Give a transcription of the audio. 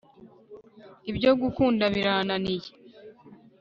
ibyo gukunda birananiye